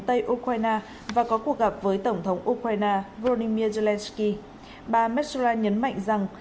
tây ukraine và có cuộc gặp với tổng thống ukraine volodymyr zelensky bà mesra nhấn mạnh rằng